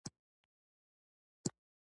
هغه هغې ته د نازک بام ګلان ډالۍ هم کړل.